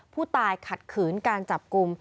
ผู้ตายขัดขืนการจับกลุ่ม